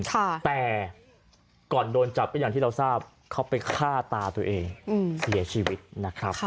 แต่ก่อนโดนจับก็อย่างที่เราทราบเขาไปฆ่าตาตัวเองเสียชีวิตนะครับ